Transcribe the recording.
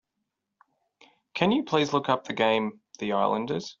Can you please look up the game, The Islanders?